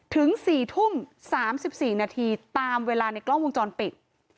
ถึง๔ทุ่ม๓๔นาทีตามเวลาในกล้องวงจรปิด